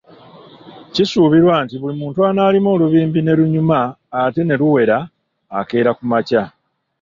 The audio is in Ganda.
Kisuubirwa nti buli muntu an'alima olubimbi ne lunyuma ate ne luwera, akeera ku makya.